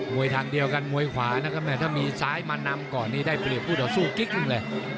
วยทางเดียวกันมวยขวานะครับแม่ถ้ามีซ้ายมานำก่อนนี้ได้เปรียบผู้ต่อสู้กิ๊กหนึ่งเลย